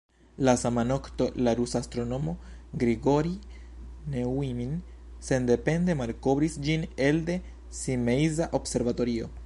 La sama nokto, la rusa astronomo Grigorij Neujmin sendepende malkovris ĝin elde Simeiza observatorio.